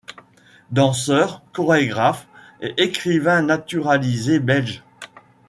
Danseur, chorégraphe et écrivain naturalisé belge.